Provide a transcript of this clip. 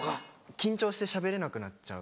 緊張してしゃべれなくなっちゃう。